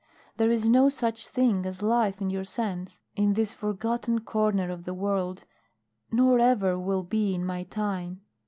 There is no such thing as life in your sense in this forgotten corner of the world, nor ever will be in my time.